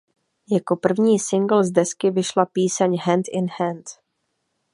Jako první singl z desky vyšla píseň "Hand in Hand".